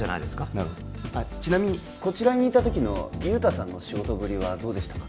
なるほどちなみにこちらにいた時の雄太さんの仕事ぶりはどうでしたか？